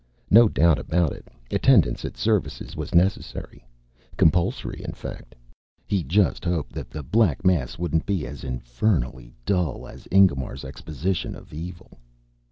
No doubt about it, attendance at services was necessary. Compulsory, in fact. He just hoped that the Black Mass wouldn't be as infernally dull as Ingemar's exposition of Evil.